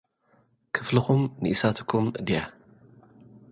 ክፍልኹም ንኢሳትኩም ድያ?